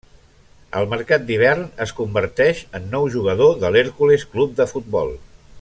Al mercat d'hivern es converteix en nou jugador de l'Hèrcules Club de Futbol.